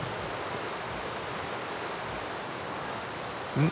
うん？